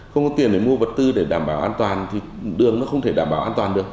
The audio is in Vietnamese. không có tiền để mua vật tư để đảm bảo an toàn thì đường nó không thể đảm bảo an toàn được